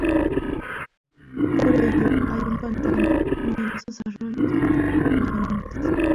Por ello hay un pantano, numerosos arroyos y lagunas.